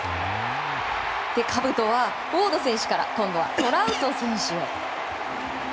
かぶとはウォード選手から今度はトラウト選手へ。